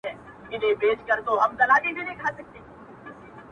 د تورو شپو پر تك تور تخت باندي مــــــا;